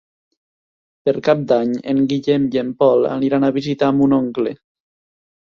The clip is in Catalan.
Per Cap d'Any en Guillem i en Pol aniran a visitar mon oncle.